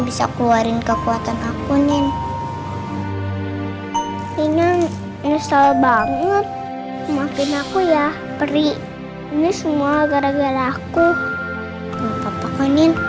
bisa keluarin kekuatan akunin ini install banget makin aku ya perih ini semua gara gara aku